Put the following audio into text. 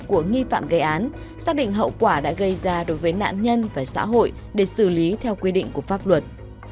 của nghi phạm gây án xác định hậu quả đã gây ra đối với nạn nhân và xã hội để xử lý theo quy định của pháp luật